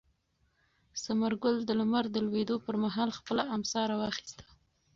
ثمر ګل د لمر د لوېدو پر مهال خپله امسا راواخیسته.